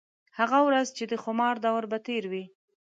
هغه ورځ چې د خومار دَور به تېر وي